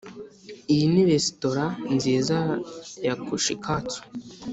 iyi ni resitora nziza ya kushikatsu